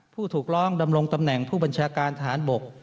ผู้ถูกร้องดำรงตำแหน่งผู้บัญชาการทหารบก